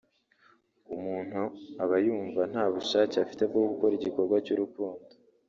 umuntu abayumva ntabushake afite bwo gukora igikorwa cy’urukundo